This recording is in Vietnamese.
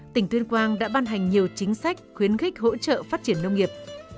tỉnh tuyên quang đã ban hành nhiều chính sách khuyến khích hỗ trợ phát triển nông nghiệp